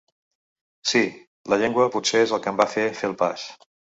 Sí, la llengua potser és el que em va fer fer el pas.